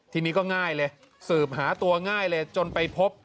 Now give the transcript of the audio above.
ทีนี้ก็ง่ายเลยสืบหาตัวง่ายเลยจนไปพบ